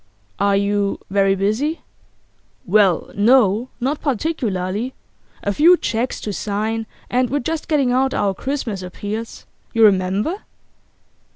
'Are you very busy?' 'Well, no, not particularly. A few cheques to sign, and we're just getting out our Christmas appeals. You remember?